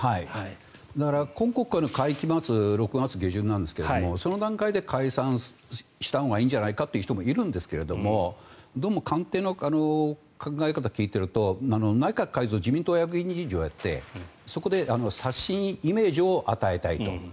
だから、今国会の会期末６月下旬なんですがその段階で解散したほうがいいんじゃないかという人もいるんですがどうも官邸の考え方を聞いていると内閣改造、自民党役員人事をやってそこで刷新イメージを与えたいと。